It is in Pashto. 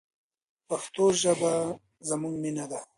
پښتو ژبه زموږ مینه ده.